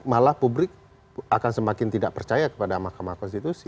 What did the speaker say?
malah publik akan semakin tidak percaya kepada mahkamah konstitusi